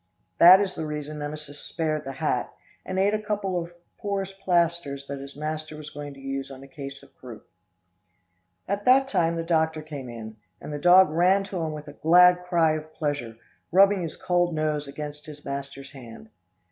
That is the reason Nemesis spared the hat, and ate a couple of porousplasters that his master was going to use on a case of croup. At that time the doctor came in, and the dog ran to him with a glad cry of pleasure, rubbing his cold nose against his master's hand.